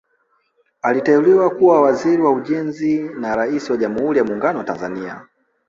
Aliteuliwa kuwa Waziri wa Ujenzi na Rais wa Jamhuri ya Muungano wa Tanzania